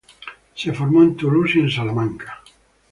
Se formó en Toulouse y en Salamanca.